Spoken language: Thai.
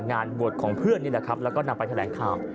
งานบวชของเพื่อนนี่แหละครับแล้วก็นำไปแถลงข่าว